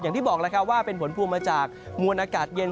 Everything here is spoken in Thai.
อย่างที่บอกแล้วครับว่าเป็นผลพวงมาจากมวลอากาศเย็น